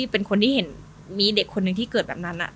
ก็ต้องยอมรับว่า